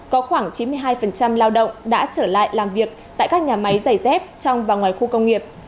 có khoảng chín mươi hai lao động đã trở lại làm việc tại các nhà máy giày dép trong và ngoài khu công nghiệp